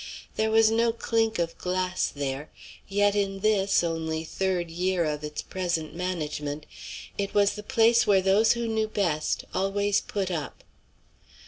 There was no clink of glass there. Yet in this, only third year of its present management, it was the place where those who knew best always put up.